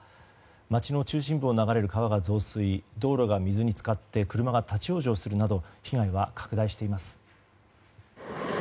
街の中心部を流れる川が増水道路が水に浸かって車が立ち往生するなど被害は拡大しています。